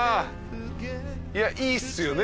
いやいいっすよね。